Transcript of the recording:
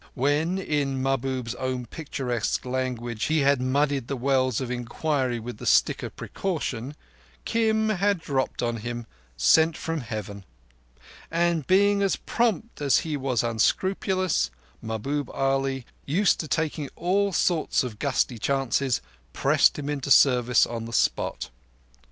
When, in Mahbub's own picturesque language, he had muddied the wells of inquiry with the stick of precaution, Kim had dropped on him, sent from Heaven; and, being as prompt as he was unscrupulous, Mahbub Ali used to taking all sorts of gusty chances, pressed him into service on the spot.